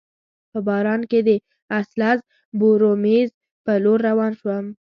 په باران کي د اسلز بورومیز په لور روان شوم.